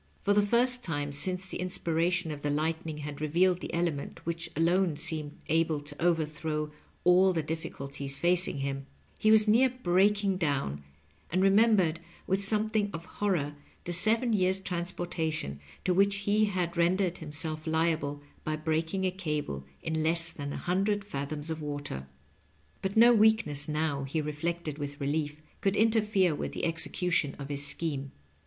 For the first time since the inspiration of the lightning had revealed the element which alone seemed able to overthrow all the difficulties facing him, he was near breaking down, and remembered with something of horror the seven years' transportation to which he had rendered himself liable by breaking a cable in less than a hundred fathoms of water. But no weakness now, he reflected with relief, could interfere with the execution of his scheme.